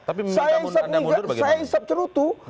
saya isap cerutu